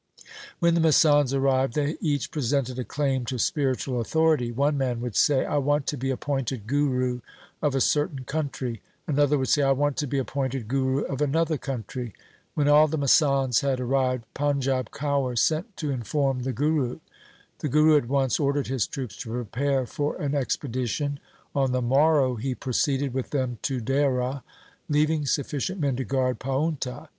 When the masands arrived they each presented a claim to spiritual authority. One man would say, ' I want to be appointed guru of a certain country.' Another would say, ' I want to be appointed guru of another country.' When all the masands had arrived, Panjab Kaur sent to inform the Guru. The Guru at once ordered his troops to prepare for an expedition. On the morrow he proceeded with them to Dehra, leaving sufficient men to guard Paunta.